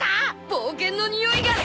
冒険のにおいがする。